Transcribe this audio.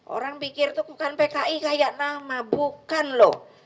orang pikir itu bukan pki kayak nama bukan loh